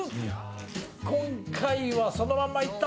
今回はそのまんまいった。